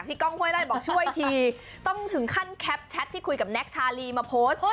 กล้องห้วยไล่บอกช่วยทีต้องถึงขั้นแคปแชทที่คุยกับแน็กชาลีมาโพสต์